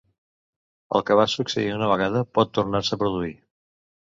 El que va succeir una vegada pot tornar-se a produir.